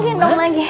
gendong lagi ya